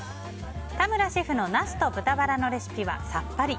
田村シェフのナスと豚バラのレシピはさっぱり。